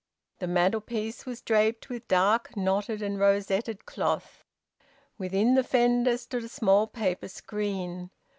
The mantelpiece was draped with dark knotted and rosetted cloth; within the fender stood a small paper screen.